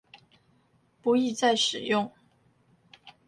不易再使用